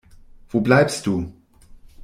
Wo bleibst du?